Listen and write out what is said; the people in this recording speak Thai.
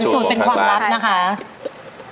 เป็นสูตรของทางร้านเป็นสูตรเป็นความลับนะคะ